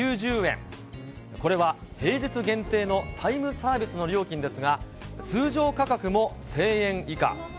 これは平日限定のタイムサービスの料金ですが、通常価格も１０００円以下。